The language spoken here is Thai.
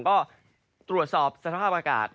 ก็ตรวจสอบสภาพอากาศ